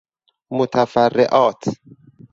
متفرعات